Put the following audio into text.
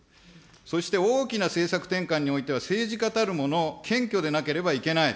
そして大きな政策転換においては、政治家たるもの、謙虚でなければいけない。